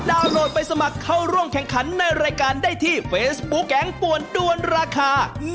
โหลดไปสมัครเข้าร่วมแข่งขันในรายการได้ที่เฟซบุ๊คแก๊งป่วนด้วนราคา